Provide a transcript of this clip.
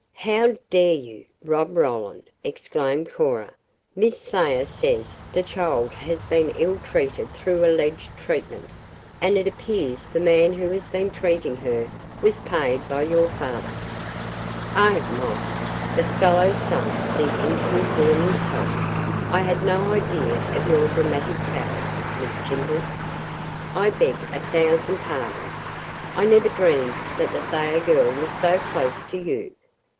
"How dare you, Rob Roland!" exclaimed Cora. "Miss Thayer says the child has been ill treated through alleged treatment, and it appears the man who has been treating her was paid by your father." "Oh, my!" The fellow sank deeper into his linen coat. "I had no idea of your dramatic powers, Miss Kimball. I beg a thousand pardons. I never dreamed that the Thayer girl was so close to you.